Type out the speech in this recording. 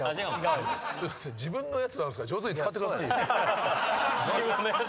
自分のやつなんで。